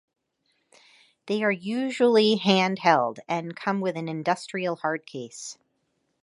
They are usually handheld and come with an industrial hard case.